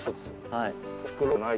はい。